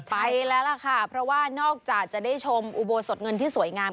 ไปแล้วล่ะค่ะเพราะว่านอกจากจะได้ชมอุโบสถเงินที่สวยงาม